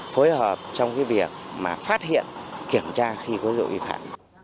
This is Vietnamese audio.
phối hợp trong việc phát hiện kiểm tra khi có dấu hiệu vi phạm